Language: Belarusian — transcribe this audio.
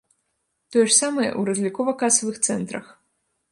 Тое ж самае ў разлікова-касавых цэнтрах.